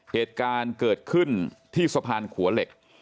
เหตุการณ์เกิดขึ้นที่สะพานขัวเหล็ก